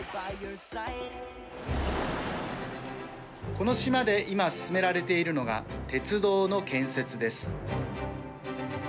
この島で今、進められているのが鉄道の建設です。